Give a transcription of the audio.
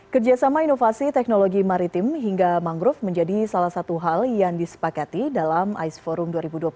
kerjasama inovasi teknologi maritim hingga mangrove menjadi salah satu hal yang disepakati dalam ais forum dua ribu dua puluh tiga